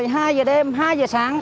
một mươi hai h đêm hai h sáng